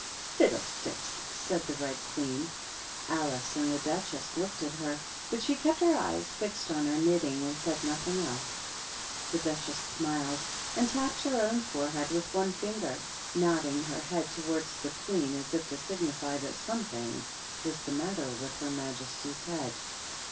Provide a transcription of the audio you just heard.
"Fiddle sticks!" said the Red Queen. Alice and the Duchess looked at her, but she kept her eyes fixed on her knitting and said nothing else. The Duchess smiled, and tapped her own fore head with one finger, nodding her head towards the Queen as if to signify that something was the matter with her majesty's head.